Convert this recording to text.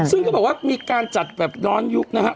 ซึ่งเขาบอกว่ามีการจัดแบบย้อนยุคนะฮะ